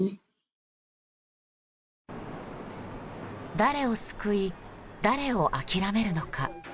誰を救い、誰を諦めるのか。